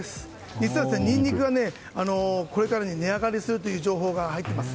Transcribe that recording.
実はニンニクはこれから値上がりするという情報が入っています。